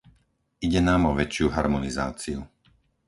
Ide nám o väčšiu harmonizáciu.